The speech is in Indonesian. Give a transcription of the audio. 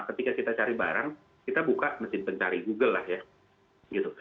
ketika kita cari barang kita buka mesin pencari google lah ya